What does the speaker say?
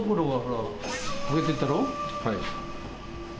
はい。